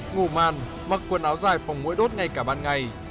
ngủ màn mặc quần áo dài phòng mũi đốt ngay cả ban ngày